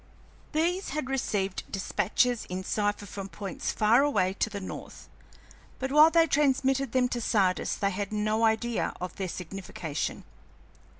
These had received despatches in cipher from points far away to the north, but while they transmitted them to Sardis they had no idea of their signification.